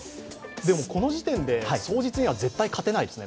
この時点で早実には絶対に勝てないですね。